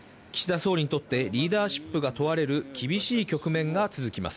総理にとってリーダーシップが問われる厳しい局面が続きます。